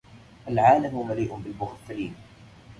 العالم مليء بالمغفلين.